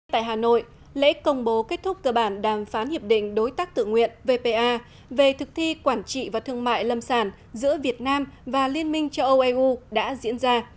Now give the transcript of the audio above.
tại hà nội lễ công bố kết thúc cơ bản đàm phán hiệp định đối tác tự nguyện vpa về thực thi quản trị và thương mại lâm sản giữa việt nam và liên minh châu âu eu đã diễn ra